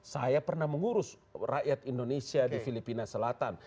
saya pernah mengurus rakyat indonesia di filipina selatan